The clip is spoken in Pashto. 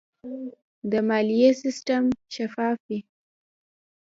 د مالیې سیستم شفاف وي.